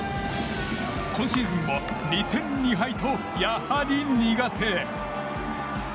今シーズンも２勝２敗とやはり苦手。